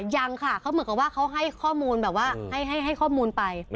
ยังค่ะเขาเหมือนกับว่าเขาให้ข้อมูลแบบว่าให้ข้อมูลไป